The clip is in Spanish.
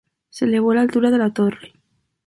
Se elevó la altura de la torre.